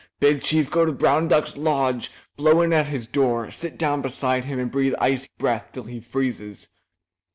Big Chief go to brown duck's lodge, blow in at his door, sit down beside him, and breathe icy breath till he freezes."